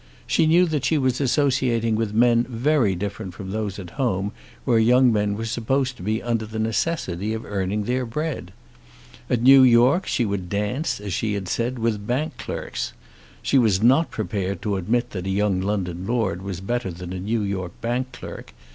She knew that she was associating with men very different from those at home where young men were supposed to be under the necessity of earning their bread. At New York she would dance, as she had said, with bank clerks. She was not prepared to admit that a young London lord was better than a New York bank clerk.